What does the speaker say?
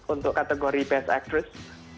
untuk kategori best actress